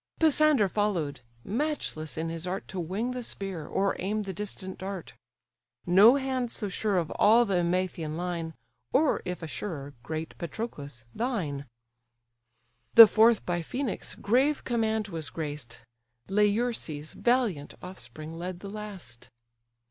Pisander follow'd; matchless in his art To wing the spear, or aim the distant dart; No hand so sure of all the Emathian line, Or if a surer, great Patroclus! thine. The fourth by Phœnix' grave command was graced, Laerces' valiant offspring led the last.